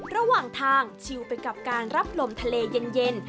ระหว่างทางชิวไปกับการรับลมทะเลเย็น